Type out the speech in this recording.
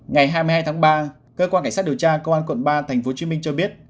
ngày hai mươi hai tháng ba cơ quan cảnh sát điều tra công an quận ba tp hcm cho biết